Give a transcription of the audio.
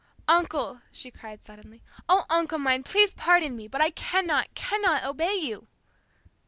"Uncle," she cried suddenly, "oh, uncle mine, please pardon me but I cannot, cannot obey you."